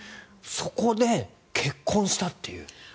そこで結婚したという。